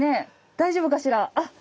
大丈夫かしら？